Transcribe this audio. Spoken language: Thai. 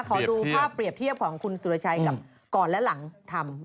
ขอดูภาพเปรียบเทียบของคุณสุรชัยกับก่อนและหลังทำ